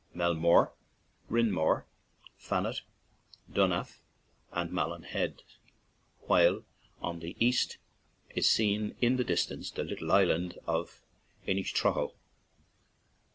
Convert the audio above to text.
Melmore, Rinmore, Fanet, Dunaff, and Malin heads, while on the east is seen in the distance the little island of Inishtrahull.